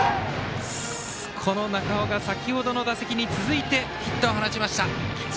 この中尾が先ほどの打席に続いてヒットを放ちました。